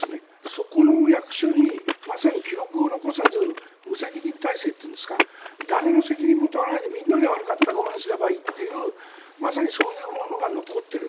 そこの役所にまさに記録を残さず無責任体制というんですか誰の責任も問わないでみんなで悪かったごめんすればいいというまさにそういうものが残っている。